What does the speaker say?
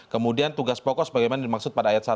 kemudian tugas pokok bagaimana dimaksud pada ayat satu